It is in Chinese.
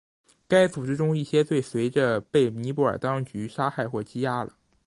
该组织中一些最随着被尼泊尔当局杀害或羁押了。